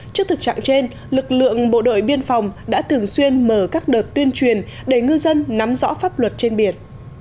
trước thực trạng trên lực lượng bộ đội biên phòng đã thường xuyên mở các đợt tuyên truyền để ngư dân nắm rõ pháp luật trên biển